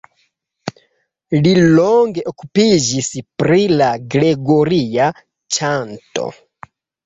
Li longe okupiĝis pri la gregoria ĉanto.